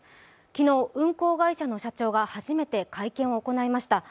昨日、運航会社の社長が初めて会見を行いました。